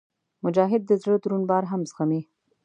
مجاهد د زړه دروند بار هم زغمي.